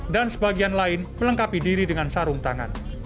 dan sebagian lain melengkapi diri dengan sarung tangan